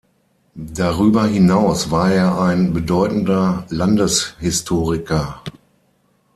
Darüber hinaus war er ein bedeutender Landeshistoriker.